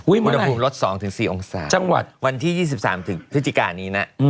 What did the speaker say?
อุณหภูมิลด๒๔องศาจังหวัดวันที่๒๓พฤศจิกานี้นะ